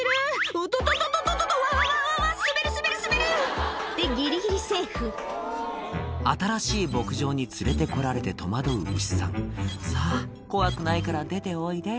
「おっとっとっとっとっとわわわわわ滑る滑る滑る！」でギリギリセーフ新しい牧場に連れてこられて戸惑う牛さん「さぁ怖くないから出ておいで」